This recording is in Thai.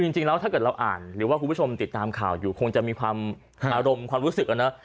จริงแล้วถ้าเกิดเราอ่านหรือว่าคุณผู้ชมติดตามข่าวอยู่คงจะมีความอารมณ์ความรู้สึกอะนะ